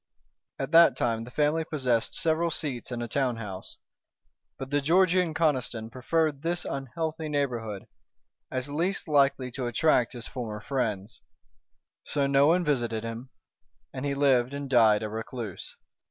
At that time the family possessed several seats and a town house. But the Georgian Conniston preferred this unhealthy neighborhood, as least likely to attract his former friends. So no one visited him, and he lived and died a recluse.